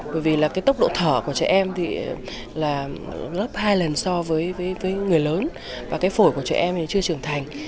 bởi vì tốc độ thở của trẻ em gấp hai lần so với người lớn và phổi của trẻ em chưa trưởng thành